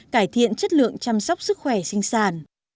cải thiện chất lượng chăm sóc sức khỏe sinh sản